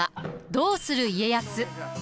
「どうする家康」。